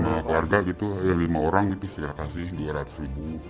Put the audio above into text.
yang lima orang gitu yang lima orang itu saya kasih dua ratus ribu